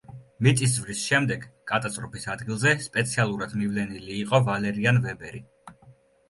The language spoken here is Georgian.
მიწისძვრის შემდეგ კატასტროფის ადგილზე სპეციალურად მივლენილი იყო ვალერიან ვებერი.